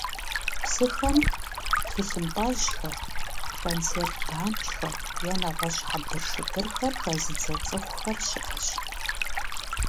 Псыхэм тхылъымпӀэжьхэр, консерв банкӀхэр е нэгъуэщӀ хьэбыршыбырхэр хэзыдзэ цӀыхухэр щыӀэщ.